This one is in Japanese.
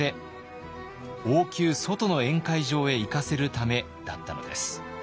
王宮外の宴会場へ行かせるためだったのです。